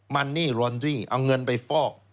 มันนี่รอนรี่เอาเงินไปฟอก